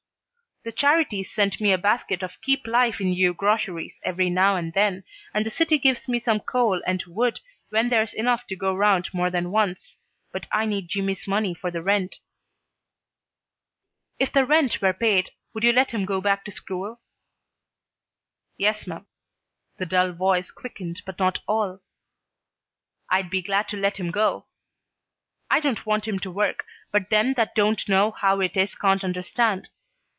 The Charities sends me a basket of keep life in you groceries every now and then, and the city gives me some coal and wood when there's enough to go round more than once, but I need Jimmy's money for the rent." "If the rent were paid would you let him go back to school?" "Yes 'm." The dull voice quickened not at all. "I'd be glad to let him go. I don't want him to work, but them that don't know how it is can't understand.